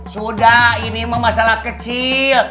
sudah ini mah masalah kecil